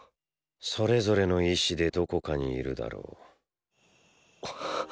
それぞれの意志でどこかにいるだろう。っ。